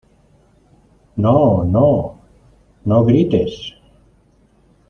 ¡ no, no! no grites.